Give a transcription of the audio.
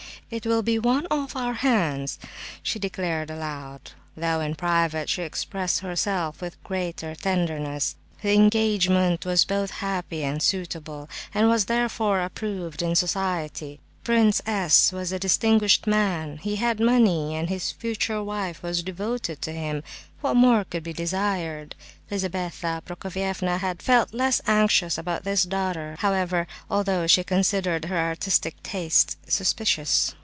"It will be one off our hands!" she declared aloud, though in private she expressed herself with greater tenderness. The engagement was both happy and suitable, and was therefore approved in society. Prince S. was a distinguished man, he had money, and his future wife was devoted to him; what more could be desired? Lizabetha Prokofievna had felt less anxious about this daughter, however, although she considered her artistic tastes suspicious.